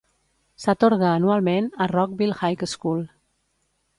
S'atorga anualment a Rockville High School.